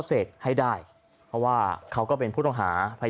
เสียงของหนึ่งในผู้ต้องหานะครับ